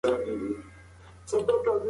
خارجي برخې انفجار سره ګډېږي.